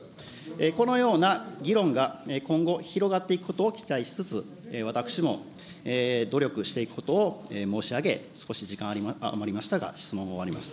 このような議論が今後広がっていくことを期待しつつ、私も努力していくことを申し上げ、少し時間余りましたが、質問を終わります。